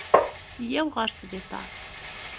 Yya-w ɣer sbiṭar.